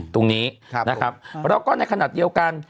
ตรงนี้แล้วก็ในขณะเดียวกัน